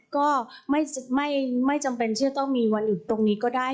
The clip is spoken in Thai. ก็ไม่จำเป็นที่จะต้องมีวันหยุดตรงนี้ก็ได้